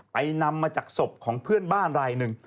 นำมาจากศพของเพื่อนบ้านรายหนึ่ง